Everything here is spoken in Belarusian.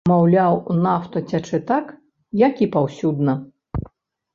Маўляў, нафта цячэ так, як і паўсюдна.